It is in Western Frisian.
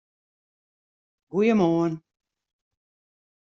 Goeiemoarn!